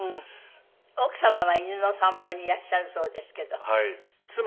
奥様は犬の散歩にいらっしゃるそうですけど。